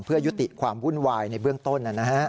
เพื่อยุติความวุ่นวายในเบื้องต้น